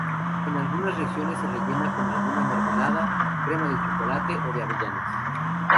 En algunas regiones se rellena con alguna mermelada, crema de chocolate o de avellanas.